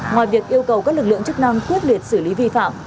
ngoài việc yêu cầu các lực lượng chức năng quyết liệt xử lý vi phạm